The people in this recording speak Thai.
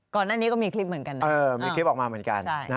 ก่อนหน้านี้ก็มีคลิปเหมือนกันนะมีคลิปออกมาเหมือนกัน